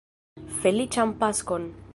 Feliĉan Paskon!